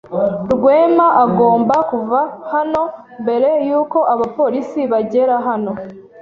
Rwema agomba kuva hano mbere yuko abapolisi bagera hano.